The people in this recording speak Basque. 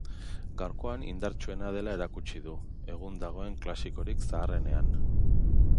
Gaurkoan indartsuena dela erakutsi du, egun dagoen klasikorik zaharrenean.